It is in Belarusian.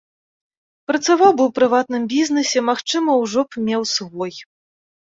Працаваў бы ў прыватным бізнесе, магчыма, ужо б меў свой.